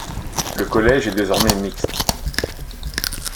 Le collège est désormais mixte.